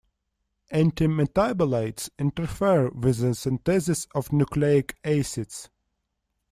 Antimetabolites interfere with the synthesis of nucleic acids.